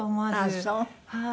ああそう。